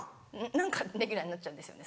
何かレギュラーになっちゃうんですよね